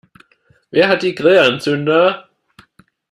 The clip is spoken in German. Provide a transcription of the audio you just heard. Wer hat die Grillanzünder?